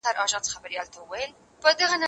زه پرون نان وخوړل،